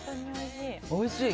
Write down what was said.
おいしい。